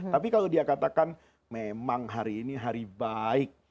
tapi kalau dia katakan memang hari ini hari baik